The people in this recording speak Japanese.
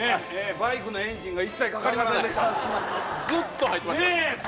バイクのエンジンが一切かかりませんでした。